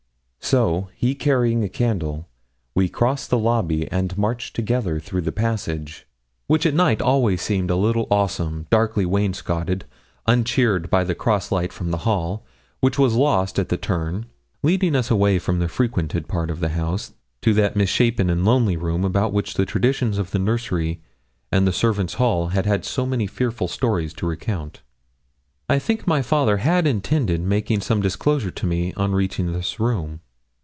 So, he carrying a candle, we crossed the lobby, and marched together through the passage, which at night always seemed a little awesome, darkly wainscoted, uncheered by the cross light from the hall, which was lost at the turn, leading us away from the frequented parts of the house to that misshapen and lonely room about which the traditions of the nursery and the servants' hall had had so many fearful stories to recount. I think my father had intended making some disclosure to me on reaching this room.